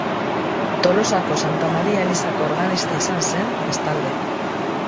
Tolosako Santa Maria elizako organista izan zen, bestalde.